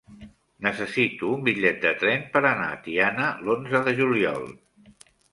Necessito un bitllet de tren per anar a Tiana l'onze de juliol.